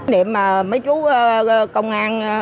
niệm mà mấy chú công an